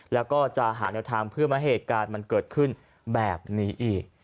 แล้วก็จะหาแนวทางเพื่อไม่ให้เหตุการณ์มันเกิดขึ้นแบบนี้อีก